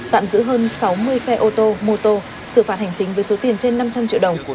tạm giữ hơn sáu mươi xe ô tô mô tô xử phạt hành chính với số tiền trên năm trăm linh triệu đồng